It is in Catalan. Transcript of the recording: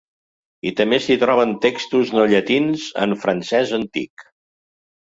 I també s'hi troben textos no llatins, en francès antic.